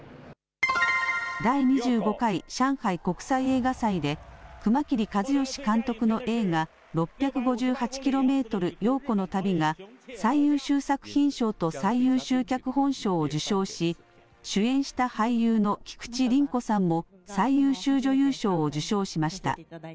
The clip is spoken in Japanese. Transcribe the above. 第２５回上海国際映画祭で熊切和嘉監督の映画、６５８ｋｍ、陽子の旅が最優秀作品賞と最優秀脚本賞を受賞し主演した俳優の菊地凛子さんも最優秀女優賞を受賞しました。